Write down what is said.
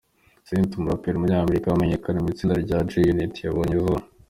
Cent, umuraperi w’umunyamerika wamenyekanye mu itsinda rya G-Unit yabonye izuba.